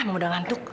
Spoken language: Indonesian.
mama sudah ngantuk